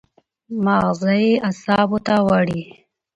مازغه ئې اعصابو ته وړي